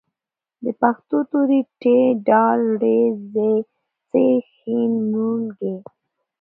د پښتو توري: ټ، ډ، ړ، ځ، څ، ښ، ڼ، ږ